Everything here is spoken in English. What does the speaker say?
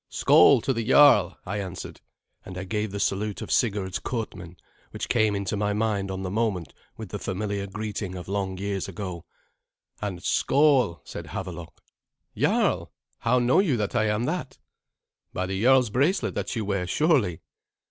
"Skoal to the jarl!" I answered, and I gave the salute of Sigurd's courtmen, which came into my mind on the moment with the familiar greeting of long years ago. And "Skoal," said Havelok. "Jarl! How know you that I am that?" "By the jarl's bracelet that you wear, surely."